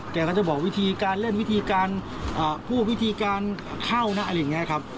ก็จะบอกวิธีการเล่นวิธีการพูดวิธีการเข้านะอะไรอย่างนี้ครับ